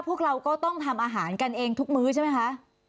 พวกเราก็ต้องทำอาหารกันเองทุกมื้อใช่ไหมคะ